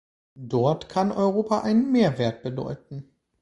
Dort kann Europa einen Mehrwert bedeuten.